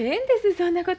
そんなこと。